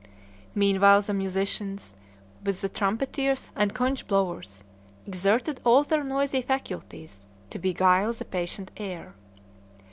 Meanwhile the musicians, with the trumpeters and conch blowers, exerted all their noisy faculties to beguile the patient heir.